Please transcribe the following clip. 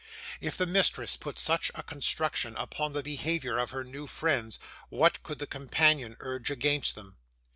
If the mistress put such a construction upon the behaviour of her new friends, what could the companion urge against them?